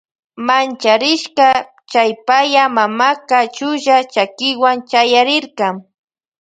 Mancharishpa chay paya mamaka chulla chakiwan chayarirka.